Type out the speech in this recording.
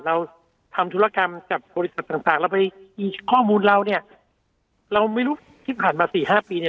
เราทำธุรกรรมกับบริษัทต่างต่างเราไปมีข้อมูลเราเนี่ยเราไม่รู้ที่ผ่านมาสี่ห้าปีเนี่ย